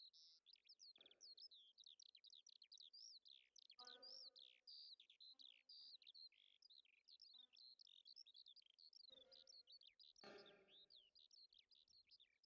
একটি পরিবার শহরের কিছু বহনযোগ্য টয়লেটের পাশে অপেক্ষা করছে।